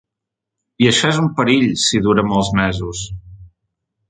I això és un perill si dura molts mesos.